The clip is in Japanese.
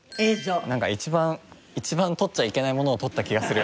なんか一番一番取っちゃいけないものを取った気がする。